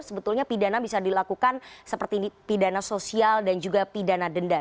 sebetulnya pidana bisa dilakukan seperti pidana sosial dan juga pidana denda